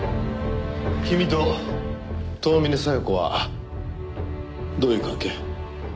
君と遠峰小夜子はどういう関係？